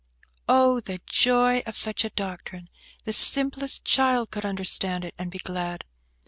Oh, the joy of such a doctrine! The simplest child could understand it, and be glad!